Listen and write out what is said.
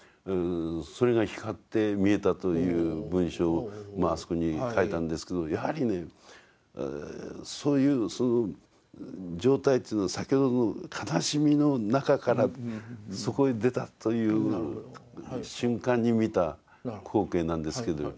それが光って見えたという文章をあそこに書いたんですけどやはりねそういう状態っていう先ほどの悲しみの中からそこへ出たという瞬間に見た光景なんですけど。